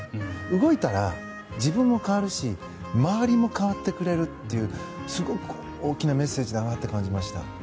動いたら、自分も変わるし周りも変わってくれるというすごく大きなメッセージだなと感じました。